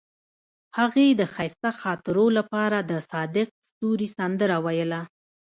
هغې د ښایسته خاطرو لپاره د صادق ستوري سندره ویله.